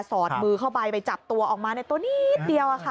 สอดมือเข้าไปไปจับตัวออกมาในตัวนิดเดียวค่ะ